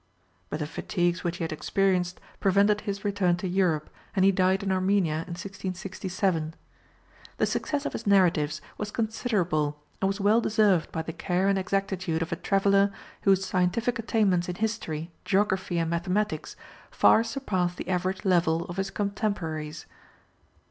But the fatigues which he had experienced prevented his return to Europe, and he died in Armenia in 1667. The success of his narratives was considerable, and was well deserved by the care and exactitude of a traveller whose scientific attainments in history, geography, and mathematics, far surpassed the average level of his contemporaries.